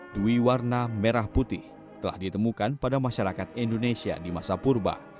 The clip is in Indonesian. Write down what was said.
dwi warna merah putih telah ditemukan pada masyarakat indonesia di masa purba